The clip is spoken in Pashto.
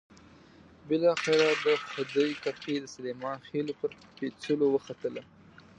بالاخره د خدۍ کپۍ د سلیمان خېلو پر پېڅول وختله.